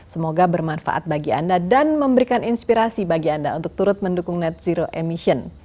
semoga bermanfaat bagi anda dan memberikan inspirasi bagi anda untuk turut mendukung net zero emission